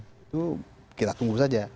itu kita tunggu saja